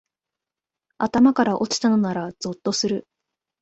頭から落ちたのならゾッとする